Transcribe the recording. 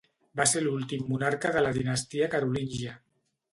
Va ser l'últim monarca de la dinastia carolíngia.